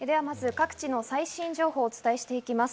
各地の最新情報をお伝えします。